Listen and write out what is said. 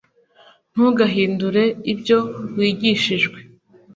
ntugahindure ibyo wigishijwe